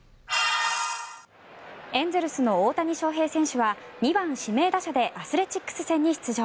エンゼルスの大谷翔平選手は２番指名打者でアスレチックス戦に出場。